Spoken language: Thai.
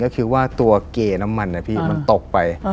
ก็คือว่าตัวเก่น้ำมันมันตกไป